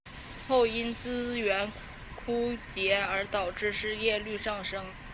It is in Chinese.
后因资源枯竭而导致失业率上升。